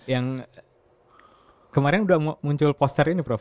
yang kemarin sudah muncul poster ini prof